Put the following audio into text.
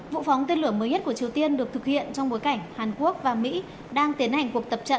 vụ phóng tên lửa mới nhất của triều tiên được thực hiện trong bối cảnh hàn quốc và mỹ đang tiến hành cuộc tập trận